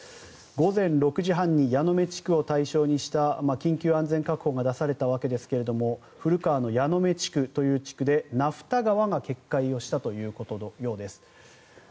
午前６時半に矢目地区を対象にした緊急安全確保が出されたわけですが古川の矢目地区という地区で名蓋川という川が決壊したということのようです。